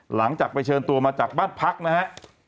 หลังจากไปเชิญตัวมาจากบ้านพักนะฮะ